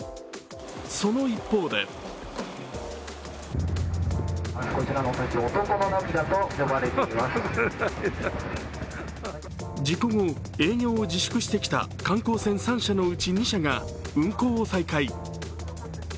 その一方で事故後、営業を自粛してきた観光船３社のうち２社が運航を再開。